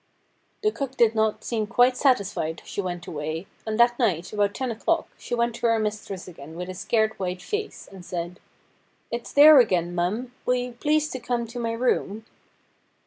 The cook did not seem quite satisfied as she went away ; and that night, about ten o'clock, she went to her mistress again with a scared white face, and said :' It's there again, mum. Will you please to come to my room